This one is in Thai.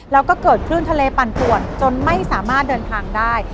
แล้วก็เกิดคลื่นทะเลปั่นป่วนจนไม่สามารถเดินทางได้